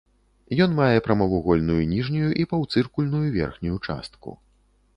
Ён мае прамавугольную ніжнюю і паўцыркульную верхнюю частку.